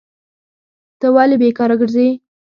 ته ولي بیکاره کرځي؟